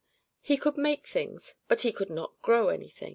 He could make things, but he could not grow anything.